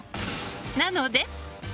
なので。